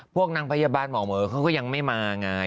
พวกนางพยาบาลหมอเหมอเขาก็ยังไม่มาไง